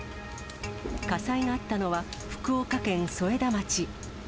火災があったのは、福岡県添田町。